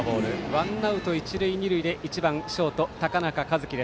ワンアウト、一、二塁で１番ショート、高中一樹。